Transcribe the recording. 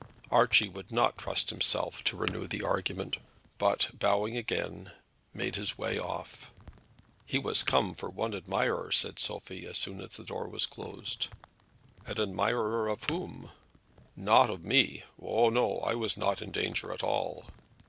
Archie would not trust himself to renew the argument, but bowing again, made his way off. "He was come for one admirer," said Sophie, as soon as the door was closed. "An admirer of whom?" "Not of me; oh, no; I was not in danger at all."